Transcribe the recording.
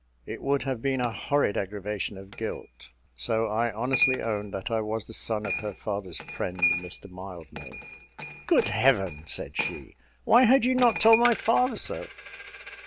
It would have been a horrid aggravation of guilt, so I honestly owned that I was the son of her father's friend, Mr Mildmay. "Good heaven!" said she, "why had you not told my father so?"